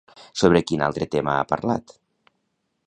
Sobre quin altre tema ha parlat?